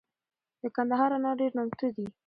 دکندهار انار دیر نامتو دي